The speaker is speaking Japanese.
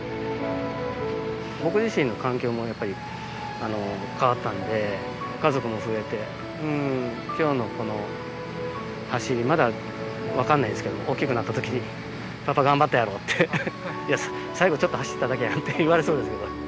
僕自身の環境もやっぱり、変わったんで、家族も増えて、きょうのこの走り、まだ分かんないですけども、大きくなったときに、パパ頑張ったやろって、いや、最後ちょっと走っただけやんっていわれそうですけど。